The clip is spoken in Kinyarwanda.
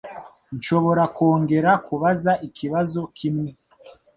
Nshobora kongera kubaza ikibazo kimwe.